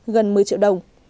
gần một mươi triệu đồng